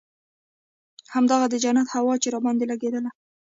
هماغه د جنت هوا چې راباندې لګېدله.